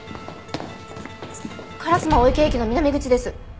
烏丸御池駅の南口です。